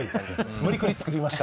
無理くり作りました。